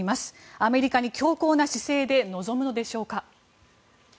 アメリカに強硬な姿勢で臨むのでしょうか。